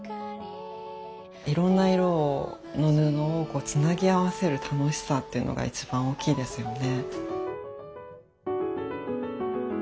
いろんな色の布をこうつなぎ合わせる楽しさっていうのが一番大きいですよね。